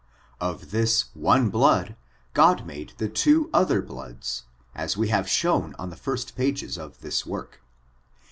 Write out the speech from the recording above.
Of this one blood God made the two other bloodS| as we have shown on the first pages of this work.